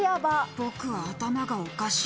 僕は頭がおかしい。